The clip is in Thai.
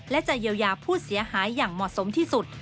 และจะเยียวยาผู้เสียหายอย่างเหมาะสมที่สุด